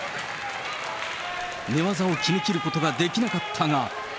寝技を決めきることができなかったが。